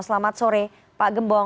selamat sore pak gembong